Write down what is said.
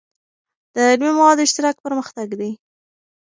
د علمي موادو اشتراک پرمختګ دی.